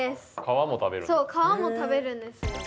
そう皮も食べるんです。